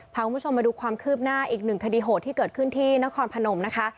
พาคุณผู้ชมมาดูความคืบหน้าอีกหนึ่งคดีโหดที่เกิดขึ้นที่นครพนมนะคะ